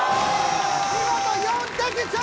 見事４的中！